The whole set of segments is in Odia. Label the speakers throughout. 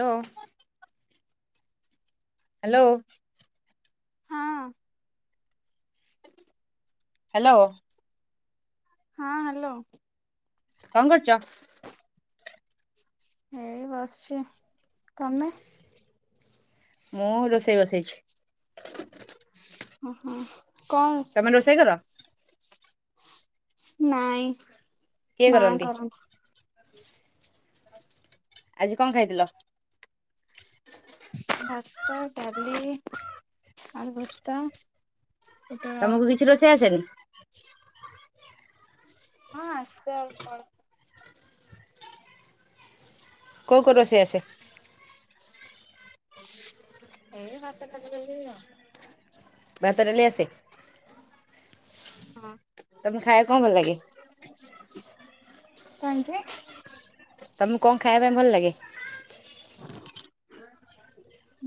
Speaker 1: ହାଲୋ। ହାଲୋ।
Speaker 2: ହଁ
Speaker 1: ହାଲୋ।
Speaker 2: ହଁ ହ୍ୟାଲୋ।
Speaker 1: କଣ କରୁଚ?
Speaker 2: ଏଇ ବସଚି ତମେ?
Speaker 1: ମୁଁ ରୋଷେଇ ବସେଇଛି।
Speaker 2: ଓହୋ। କଣ?
Speaker 1: ତମେ ରୋଷେଇ କର?
Speaker 2: ନାଇଁ।
Speaker 1: କିଏ କରନ୍ତି?
Speaker 2: [inaudible]
Speaker 1: ଆଜି କଣ ଖାଇଥିଲ?
Speaker 2: ଭାତ ଡାଲି ଆଶୀର୍ବାଦ।
Speaker 1: ତମକୁ କିଛି ରୋଷେଇ ଆସେନି?
Speaker 2: ହଁ ଆସେ ଅଳପ ଅଳପ।
Speaker 1: କୋଉ କୋରୋସେଇ ଆସେ।
Speaker 2: ଏଇ ଭାତ ଡାଲି ଦେଲି ଆଉ।
Speaker 1: ବାତ ଡାଲିଆସେ?
Speaker 2: ହଁ।
Speaker 1: କଁ ଭଲ ଲାଗେ?
Speaker 2: କଁ ହେଇଚି?
Speaker 1: ତମୁକୁ କଅଁ ଖାଇବା ପାଇଁ ଭଲ ଲାଗେ?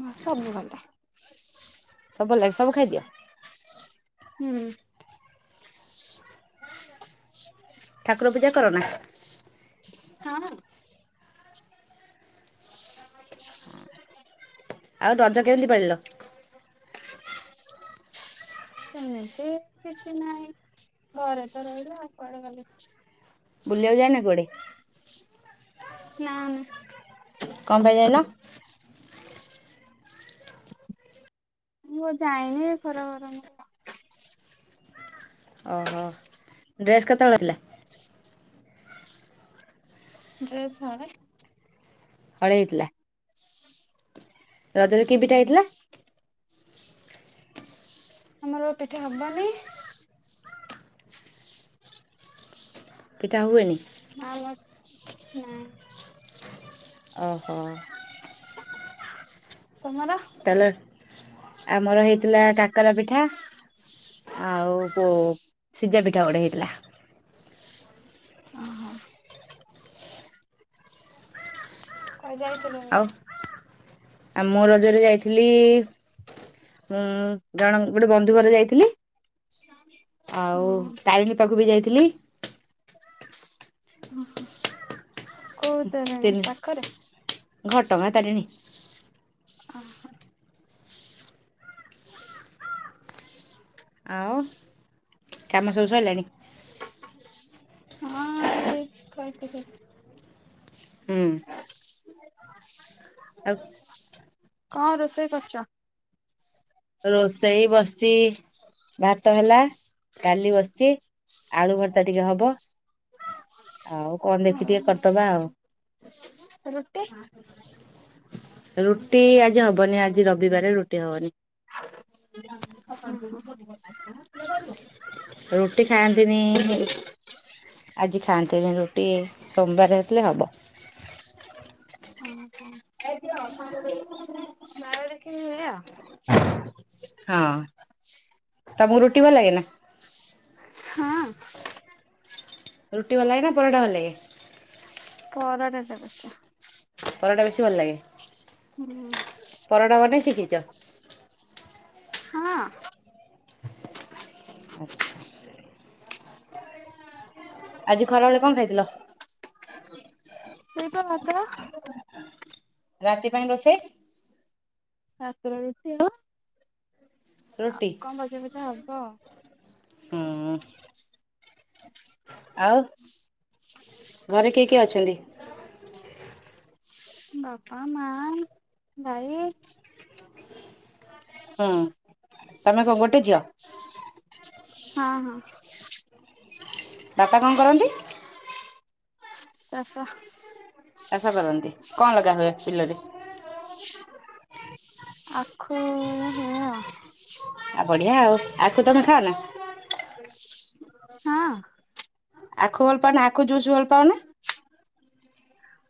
Speaker 2: ମା ସବୁ ଭଲ।
Speaker 1: ସବୁ ଭ ଲାଗେ ସବୁ ଖାଇଦିଅ?
Speaker 2: ହୁଁ। [inaudible]
Speaker 1: ଠାକୁର ପୂଜା କର ନା?
Speaker 2: ହଁ।
Speaker 1: ଆଉ ରଜ କେମିତି ପଳିଲ?
Speaker 2: ସେମିତି କିଛି ନାହିଁ ଘରେ ତ ରହିଲେ ଆଉ କୁଆଡେ ଗଲେ।
Speaker 1: ବୁଲିବାକୁ ଯାଏନା କୁଆଡେ?
Speaker 2: ନ ନା।
Speaker 1: କନ୍ ପାଇ ଜାଇନ?
Speaker 2: ମୁଁ ଯାଇନି ଖରା ଭରା ମୁ
Speaker 1: ଅହ ଡ୍ରେସ୍ କେତେବେଳେ ହେଲା?
Speaker 2: ଡ୍ରେସ୍ ହଳେ।
Speaker 1: ହଳେଇ ଥିଲା। ରଜରେ କି ପିଠା ହେଇଥିଲା?
Speaker 2: ଆମର ପିଠା ହବନି।
Speaker 1: ପିଠା ହୁଏନି।
Speaker 2: ଆମର ନାଇଁ।
Speaker 1: ଅହ।
Speaker 2: [inaudible] [unintelligible] ତମର।
Speaker 1: [inaudible] ଆମର ହେଇଥିଲା କାକରା ପିଠା। ଆଉ ପୋ ସିଝା ପିଠା ଗୋଟେ ହେଇଥିଲା।
Speaker 2: ଅହ। ଆଉ ଯାଇଥିଲୁ?
Speaker 1: ଆଉ ଆଉ ମୁଁ ରଜରେ ଯାଇଥିଲି ଉଁ ଜଣ କ ଗୋଟେ ବନ୍ଧୁ ଘର ଯାଇଥିଲି, ଆଉ
Speaker 2: ହୁଁ
Speaker 1: ତାରିଣୀ ପାଖକୁ ବି ଯାଇଥିଲି। ହିଲି।
Speaker 2: ଓହ। କୋଉ ତାରେଣୀ
Speaker 1: ତିନି
Speaker 2: ପାଖରେ।
Speaker 1: ଘଟଗାଁ ତାରିଣୀ।
Speaker 2: ଅହ।
Speaker 1: ଆଉ କାମ ସବୁ ସଇଲାଣି।
Speaker 2: ହଁ ଏଇ ଖ ତ ଖ।
Speaker 1: ହୁଁ।
Speaker 2: [inaudible]
Speaker 1: ଆଉ
Speaker 2: କଣ ରୋଷେଇ କରୁଚ?
Speaker 1: ଚି ଭାତ ହେଲା। ଡାଲି ବସିଛି ଆଳୁ ଭର୍ତ୍ତା ଟିକେ ହବ ଆଉ କଣ ଦେଖି ଟିକେ କରିଦବା ଆଉ।
Speaker 2: ରୁଟି
Speaker 1: ରୁଟି ଆଜି ହବନି ଆଜି ରବିବାର ରୁଟି ହବନି। କାହିଁକି ନା
Speaker 2: ହୁଁ
Speaker 1: ତାଙ୍କୁ
Speaker 2: ହୁଁ
Speaker 1: କୁହ ତାଙ୍କ ପାଇଁ କିଏ ରହିବ? ରୁଟି ଖାଆନ୍ତିନି, ଆଜି ଖାଆନ୍ତିନି ରୁ ଗୋଟିଏ ସୋମବାର ହେଇଥିଲେ ହବ।
Speaker 2: ହଁ
Speaker 1: ଏ ଝିଅ ସଞ୍ଜ ଦେଇଛୁ କି ନାଇ।
Speaker 2: ମାର। ଏ ଝିଅ।
Speaker 1: ହଁ। ତମକୁ ରୁଟି ଭଲ ଲାଗେ ନା ରୁଟି ଭଲ ଲାଗେ ନା ପରଠା ଭଲ ଲାଗେ।
Speaker 2: ପରାଡଟ ବଛ।
Speaker 1: ପରଟା ବେଶୀ ଭଲ ଲାଗେ। ପରଟା ବନେଇ ଶିଖିଛ?
Speaker 2: ହୁଁ। ହଁ।
Speaker 1: ଆଚ୍ଛା।
Speaker 2: [inaudible]
Speaker 1: ଆଜି ଖରା ବେଳେ କଣ ଖାଇଥିଲ?
Speaker 2: ସେଇପା ଭାତ।
Speaker 1: ରାତି ପାଇଁ ରୋଷେଇ।
Speaker 2: ରାତର ରୁଟି ଆ ଆ
Speaker 1: ରୁଟି।
Speaker 2: କଣ ବଜାର ପ ତ ହବ।
Speaker 1: ହୁଁ। ଆଉ ଘରେ କେ କିଏ ଅଛନ୍ତି?
Speaker 2: ବାପା ମା ଭାଇ।
Speaker 1: ହୁଁ ତମେ କଣ ଗୋଟେ ଝିଅ?
Speaker 2: ହଁ ହଁ।
Speaker 1: ବାପା କଣ କରନ୍ତି?
Speaker 2: ଚାଷ।
Speaker 1: ଚାଷ କରନ୍ତି କଣ ଲଗା ହୁଏ? ବିଲରେ।
Speaker 2: ଆଖ ହୁଏ ଆ
Speaker 1: ଆଉ ବଢ଼ିଆ ଆଉ ଆଖୁ ତମେ ଖାଅ ନା।
Speaker 2: ହଁ।
Speaker 1: ଆଖୁ ଭଲ ପା ଆଖୁ ଜୁସ ଭଲ ପାଉନା।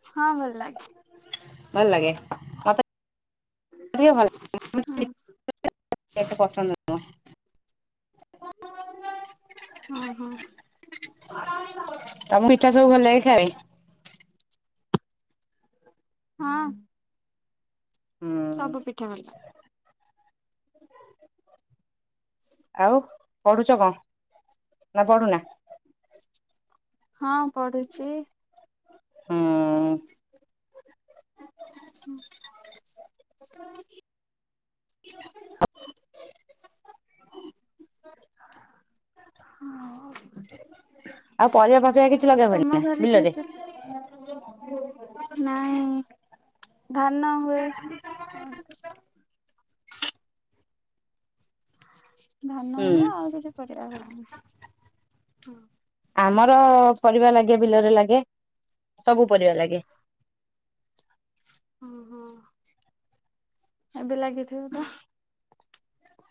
Speaker 2: ହଁ ଭଲ ଲାଗେ।
Speaker 1: ଭଲ ଲାଗେ ମତେ। ଭଲ
Speaker 2: ହଁ
Speaker 1: ପନ୍ଦ ଏତେ ପସନ୍ଦ ନୁହଁ। [inaudible]
Speaker 2: ହଁ ହଁ
Speaker 1: ତମ ପିଠା ସବୁ ଭଲ ଲ ଖାଇ।
Speaker 2: ହଁ।
Speaker 1: ହୁଁ
Speaker 2: ସବୁ ପିଠା ଭଲ ଲାଗେ।
Speaker 1: ଆଉ ପଢୁଛ କଣ ନା ପଢୁନା?
Speaker 2: ହଁ। ପଢୁଛି।
Speaker 1: ହୁଁ।
Speaker 2: ହୁଁ। ହଁ।
Speaker 1: ଆଉ ପରିବା ଫରିବା କିଛି ଲଗା ହୁଏନି
Speaker 2: ଘରେ କିଏ
Speaker 1: ବିଲରେ?
Speaker 2: କିଏ
Speaker 1: [unintelligible]
Speaker 2: ନାଇଁ। ଧାନ ହୁଏ ଧାନ
Speaker 1: ହୁଁ
Speaker 2: ହୁଏ ଆଉ କିଛି [unintelligible] ହଁ।
Speaker 1: ଆମର ପରିବା ଲାଗେ ବିଲରେ ଲାଗେ ସବୁ ପରିବା ଲାଗେ।
Speaker 2: ଓ ହୋ ଏବେ ଲାଗିଥିବ ତ?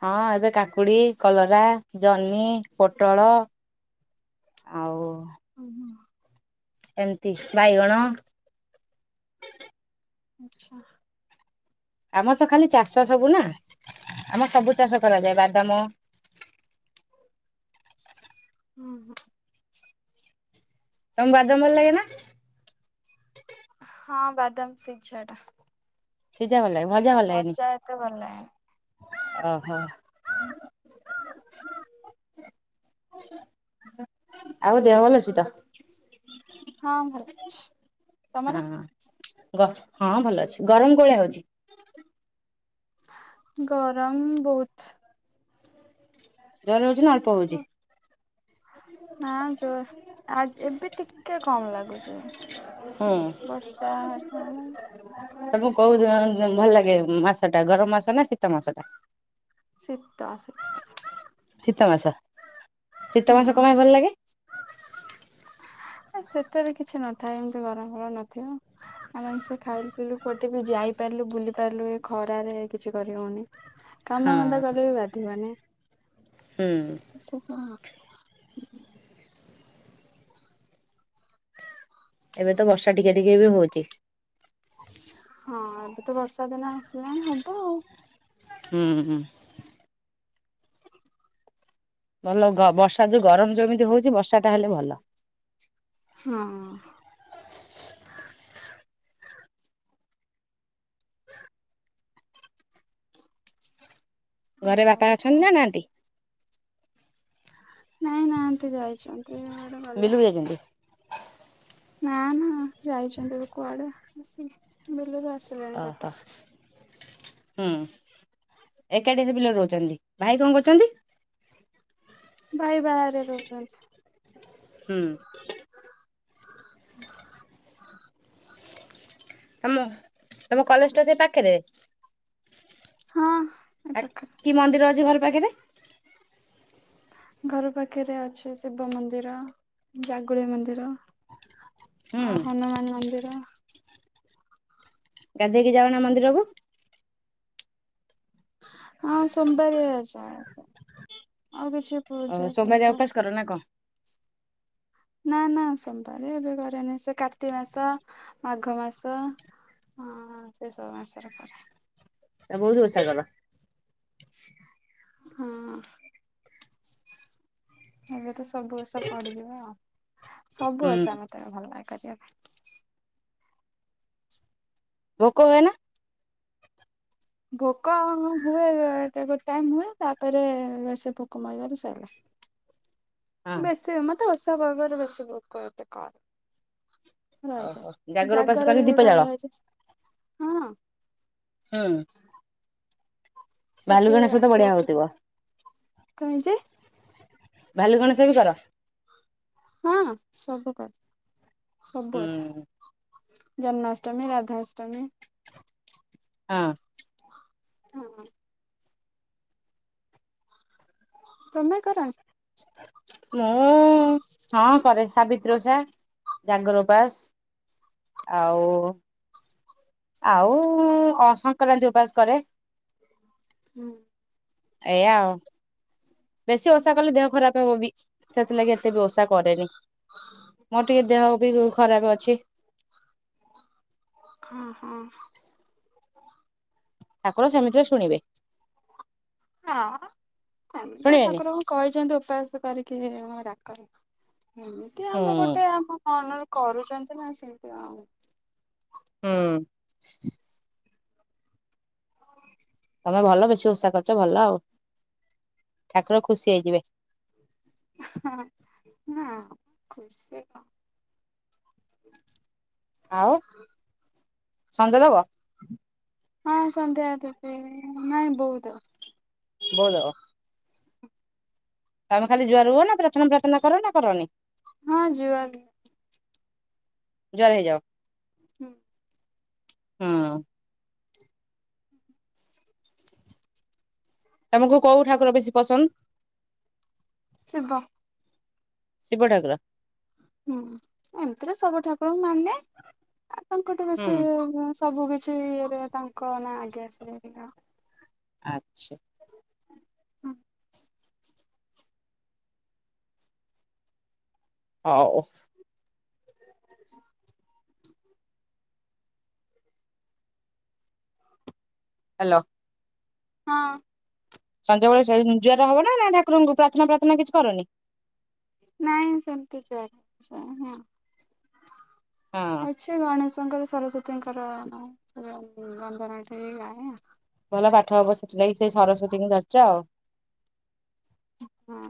Speaker 1: ହଁ ଏବେ କାକୁଡି଼ କଲରା ଜହ୍ନି ପୋଟଳ ଆଉ [unintelligible] ଏମିତି ବାଇଗଣ
Speaker 2: ଆଛା।
Speaker 1: ଆମର ତ ଖାଲି ଚାଷ ସବୁ ନା ଆମ ସବୁ ଚାଷ କରାଯାଏ ବାଦାମ
Speaker 2: ହୁଁ ହୁଁ।
Speaker 1: ତମକୁ ବାଦାମ ଭଲ ଲାଗେ ନା?
Speaker 2: ହଁ ବାଦାମ ଶିଝା ଟା।
Speaker 1: ଶି ଝା ଭଲ ଲାଗେ ଭଜା ଭଲ ଲାଗେନି। ଓହୋ।
Speaker 2: ଖାଲି
Speaker 1: ଆଉ ଦେହ ଭଲ ଅଛି ତ?
Speaker 2: ହଁ ଭଲ ଅଛି। ତମର?
Speaker 1: ହଁ। ହଁ ଭଲ ଅଛି ଗରମ କୋଉ ଭଳିଆ ହଉଛି?
Speaker 2: ଗରମ ବହୁତ୍।
Speaker 1: [unintelligible] ନା ଅଳ୍ପ ହଉଛି?
Speaker 2: ନା ଜୋର ଆ ଏବେ ଟିକେ କମ୍ ଲାଗୁଚି।
Speaker 1: ହୁଁ। ତମକୁ କୋଉ ଭଲ ଲାଗେ ମାସଟା ଗରମ ମାସ ନା ଶୀତ ମାସଟା?
Speaker 2: ଶୀତ ଶୀତ
Speaker 1: ଶୀତ ମାସ ଶୀତ ମାସ
Speaker 2: ହୁଁ
Speaker 1: କଣ ପାଇଁ ଭଲ ଲାଗେ?
Speaker 2: ସେତେରେ କିଛି ନଥାଏ ଏମିତି ଗରମ ଫରମ ନଥିବ ଆରାମସେ ଖାଇ ପିିଲୁ କୋଉଠି ବି ଯାଇପାରିଲୁ ବୁଲି ପାରିଲୁ ଏ ଖରାରେ କିଛି କରିହଉନି।
Speaker 1: ହଁ
Speaker 2: କାମ ଧନ୍ଦା କଲେ ବି ବାଧିବନି।
Speaker 1: ହୁଁ
Speaker 2: [unintelligible]
Speaker 1: ଏବେ ତ ବର୍ଷା ଟିକେ ଟିକେ ବି ହଉଛି।
Speaker 2: ହଁ ଏବେ ତ ବର୍ଷା ଦିନ ଆସିଲାଣି ହବ ଆଉ।
Speaker 1: ହୁଁ ହୁଁ। ଭଲ ବର୍ଷା ଯୋଉ ଗରମ ଯେମିତି ହଉଛି ବର୍ଷାଟା ହେଲେ ଭଲ।
Speaker 2: ହଁ।
Speaker 1: ଘରେ ବାପା
Speaker 2: ଆଉ କଣ
Speaker 1: ଅଛନ୍ତି ନାଁ ନାହାନ୍ତି?
Speaker 2: ନାଇଁ ନାହାନ୍ତି ଯାଇଛନ୍ତି। ତ ଏଇଡେ ଗଲେ।
Speaker 1: ବିଲକୁ ଯାଇଛନ୍ତି?
Speaker 2: ନାଁ ନାଁ। ଯାଇଛନ୍ତି କୁଆଡେ? ଆ ସେ ବେଲରୁ ସଣି
Speaker 1: ଓହୋ
Speaker 2: ଚାଟ [unintelligible]
Speaker 1: ହୁଁ ଏକାଠିରେ ପିଲା ରହୁଛନ୍ତି ଭାଇ କଣ କରୁଛନ୍ତି?
Speaker 2: ଭାଇ ବାହାରେ ରହୁଛନ୍ତି।
Speaker 1: ହୁଁ।
Speaker 2: [inaudible]
Speaker 1: ଆମ ତୁମ କଲେଜ ଟା ସେଇ ପାଖରେ?
Speaker 2: ହଁ। ଏ ପାଖରେ
Speaker 1: କି ମନ୍ଦିର ଅଛି ଭଲ ଆଗରେ।
Speaker 2: ଘର ପାଖରେ ଅଛି ଶିବ ମନ୍ଦିର, ଜାଗୁଳି ମନ୍ଦିର,
Speaker 1: ହୁଁ
Speaker 2: ଆ ହନୁମାନ ମନ୍ଦିର।
Speaker 1: ଗାଧେଇକି ଯାଉନା ମନ୍ଦିରକୁ।
Speaker 2: ହଁ ସୋବାର ଅଜ ଆଉ କେ [unintelligible]
Speaker 1: ଅ ସୋମବାର ଉପବାସ କର ନା କଣ?
Speaker 2: ନାଁ ନାଁ ସୋମବାର ଏବେ କରେନି ସେ କାର୍ତ୍ତିକ ମାସ, ମାଘ ମାସ, ସେ ସବୁ ମାସରେ କରେ।
Speaker 1: ବହୁତ ଓଷା ଗଲା।
Speaker 2: ହଁ। ଏବେ ତ ସବୁ ବର୍ଷ ପଡିଯିବ ଆଉ। ସବୁ ଓଷା
Speaker 1: ହୁଁ
Speaker 2: ମତେ ଭଲ ଲାଗେ। ଦେ [unintelligible]
Speaker 1: ଭୋକ ହୁଏନା?
Speaker 2: ଭୋକ ହୁଏ ଗ ଗୋଟେ ଟାଇମ ହୁଏ ତାପରେ ସେ ଭୋକ ମରିଗଲେ ସରିଲା।
Speaker 1: ହଁ
Speaker 2: ବେଶୀ ମତେ ତା ବାବା ର ଭୋକ ବେଶୀ ଏତେ କଣ? ରହିଛି
Speaker 1: ଓହୋ ଜାଗର ଉପାସ କରି
Speaker 2: ଜାଗରରେ
Speaker 1: ଦୀପ
Speaker 2: ଗୋଟ
Speaker 1: ଜାଳ?
Speaker 2: ରହିଛ ହଁ।
Speaker 1: ହୁଁ। ଭାଲୁ ଗଣେଶ ତ ବଢ଼ିଆ ହଉଥିବ।
Speaker 2: କାଇଁ ଯେ
Speaker 1: ଭାଲୁ ଗଣେଶ ବି କର?
Speaker 2: ହଁ ସବୁ କରେ ସବୁ ଆସ୍
Speaker 1: ହୁଁ
Speaker 2: ଜନ୍ମାଷ୍ଟମୀ ରାଧାଷ୍ଟମୀ।
Speaker 1: ହଁ।
Speaker 2: ହଁ। ତମ କର ନ୍
Speaker 1: ମୁଁ ହଁ କରେ ସାବିତ୍ରୀ ଓଷା ଜାଗର ଉପାସ ଆଉ ଆଉ ହଁ ସଂକ୍ରାନ୍ତି ଉପାସ କରେ।
Speaker 2: ହୁଁ।
Speaker 1: ଏୟା ଆଉ। ବେଶୀ ଓଷା
Speaker 2: ଆଚ୍ଛା।
Speaker 1: କଲେ ଦେହ ଖରାପ ହବ ବି ସେଥିଲାଗି ଏତେ ବି ଓଷା କରେନି ମୋର ଟିକେ ଦେହ ବି ଖରାପ ହ [unintelligible]
Speaker 2: ହଁ ହଁ।
Speaker 1: ଠାକୁର ସେମିତିରେ ଶୁଣିବେ।
Speaker 2: ହଁ ସେମିତିଆ
Speaker 1: ଶୁଣିବେନି
Speaker 2: ଠାକୁରଙ୍କୁ କହିଛନ୍ତି ଉପାସ କରିକି ଡାକର ଏମିତି
Speaker 1: ହୁଁ
Speaker 2: ଆମେ ଗୋଟେ ଆମ ମନରେ କରୁଛନ୍ତି [inaudible]
Speaker 1: ହୁଁ। ତମେ ଭଲ ବେଶୀ ଉଷା କରଛ ଭଲ ଆଉ ଠାକୁର ଖୁସି ହେଇଯିବେ।
Speaker 2: ହ ନା ଖୁସି କ
Speaker 1: ଆଉ ସଞ୍ଜ ଦେବ?
Speaker 2: ହଁ ସନ୍ଧ୍ୟା ଦେବି ନାଇଁ ବୋଉ ଦେବ୍
Speaker 1: ବୋଉ ଦବ। ତମେ ଖାଲି ଜୁହାର ହୁଅ ନା ପ୍ରାର୍ଥନା ପ୍ରାର୍ଥନା କର ନା କରନି?
Speaker 2: ହଁ ଜୁଆର
Speaker 1: ଜୁହାର ହେଇଯାଅ।
Speaker 2: ହୁଁ।
Speaker 1: ହଁ। ତମକୁ କୋଉ ଠାକୁର ବେଶୀ ପସନ୍ଦ?
Speaker 2: ଶିବ।
Speaker 1: ଶିବ ଠାକୁର।
Speaker 2: ହୁଁ ଏମିତିରେ ସବୁ ଠାକୁର ମାନେ ଆ ତାଙ୍କଠୁ ବେଶି
Speaker 1: ହୁଁ
Speaker 2: ସବୁ କିଚ୍ ଛି ଇଏରେ ତାଙ୍କ ନା ଆଗେ [unintelligible]
Speaker 1: ଆଚ୍ଛା।
Speaker 2: ହୁଁ।
Speaker 1: ହଉ। ହ୍ୟାଲୋ।
Speaker 2: ହଁ।
Speaker 1: ସଞ୍ଜବେଳେ [unintelligible] ନା ନା ଠାକୁରଙ୍କୁ ପ୍ରାର୍ଥନା ପ୍ରାର୍ଥନା କିଛି କରନି?
Speaker 2: ନାଇଁ ସେମତି ଜଁ।
Speaker 1: ହଁ
Speaker 2: ଅଛେ ଗଣ। ତାଙ୍କର ସରସ୍ଵତୀଙ୍କର ନା ବନ୍ଧନାଠଇ ଗାଏ ଆଉ।
Speaker 1: ଭଲ ପାଠ ହବ ସେଥିଲାଗି ସେ ସରସ୍ୱତୀ ଙ୍କୁ ଧରିଚ ଆଉ।
Speaker 2: ହଁ।